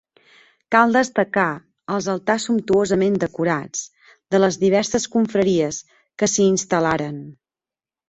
Cal destacar els altars sumptuosament decorats, de les diverses confraries que s'hi instal·laren.